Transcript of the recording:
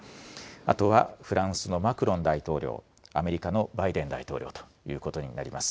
あとはフランスのマクロン大統領、アメリカのバイデン大統領ということになります。